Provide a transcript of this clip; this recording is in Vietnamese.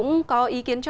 lãnh đạo thành phố